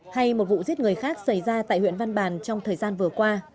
hay một vụ giết người khác xảy ra tại huyện văn bàn trong thời gian vừa qua